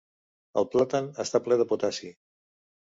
El plàtan està ple de potassi.